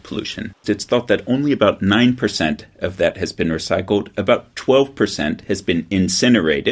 kira kira hanya sembilan persen dari itu telah dikosongkan dua belas persen telah dikosongkan